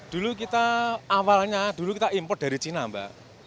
dulu kita awalnya dulu kita import dari cina mbak